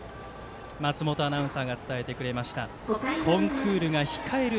松本アナウンサーが伝えてくれました。